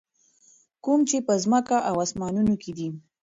کوم چې په ځکمه او اسمانونو کي دي.